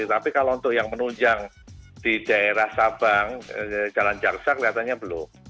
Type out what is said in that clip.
tapi kalau untuk yang menunjang di daerah sabang jalan jaksa kelihatannya belum